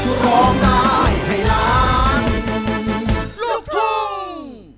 พร้อมได้ให้ร้านลูกทุ่ง